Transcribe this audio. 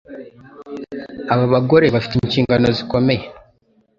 Aba bagore bafite inshingano zikomeye